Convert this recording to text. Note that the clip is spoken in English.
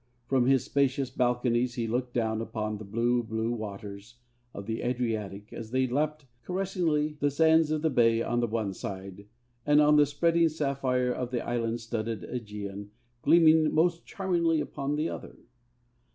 From his spacious balconies he looked down upon the blue, blue waters of the Adriatic as they lapped caressingly the sands of the bay on the one side, and on the spreading sapphire of the island studded Aegean gleaming most charmingly upon the other.